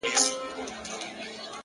ځوان له ډيري ژړا وروسته څخه ريږدي-